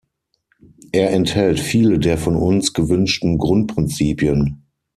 Er enthält viele der von uns gewünschten Grundprinzipien.